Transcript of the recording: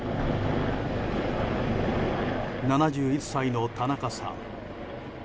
７１歳の田中さん。